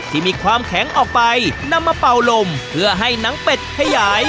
ที่มีความแข็งออกไปนำมาเป่าลมเพื่อให้หนังเป็ดขยาย